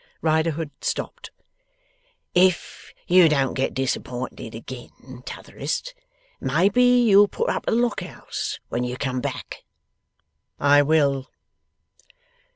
Riderhood stopped. 'If you don't get disapinted agin, T'otherest, maybe you'll put up at the Lock house when you come back?' 'I will.